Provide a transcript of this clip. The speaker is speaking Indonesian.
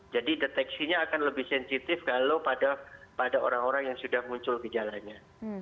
jadi deteksinya akan lebih sensitif kalau pada orang orang yang sudah muncul gejalanya